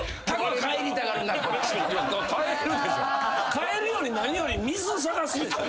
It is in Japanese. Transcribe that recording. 帰るより何より水探すでしょ。